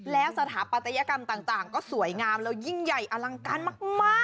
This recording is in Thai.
แล้วสถาปัตยกรรมต่างก็สวยงามแล้วยิ่งใหญ่อลังการมาก